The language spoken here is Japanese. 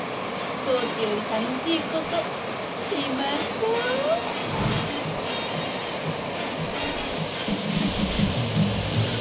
スポーツより楽しいことしましょう！